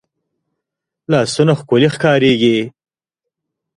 لاسونه ښکلې ښکارېږي